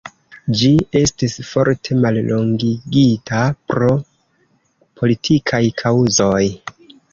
Ĝi estis forte mallongigita pro politikaj kaŭzoj.